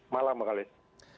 malam pak alis